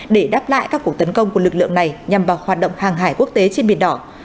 để đáp lại các cuộc tấn công của lực lượng này nhằm vào hoạt động hàng hải quốc tế trên biển đỏ